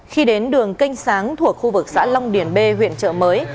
khi đến đường kênh sáng thuộc khu vực xã long điển b huyện chợ mới